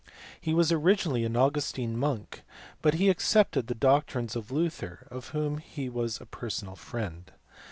He was originally an Augustine monk, but he accepted the doctrines of Luther of whom he was a personal friend.